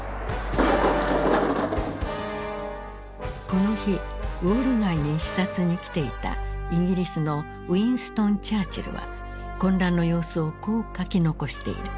☎この日ウォール街に視察に来ていたイギリスのウィンストン・チャーチルは混乱の様子をこう書き残している。